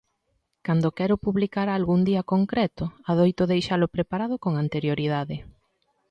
Cando quero publicar algo un día concreto, adoito deixalo preparado con anterioridade.